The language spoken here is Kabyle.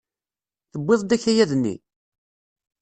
Tewwiḍ-d akayad-nni?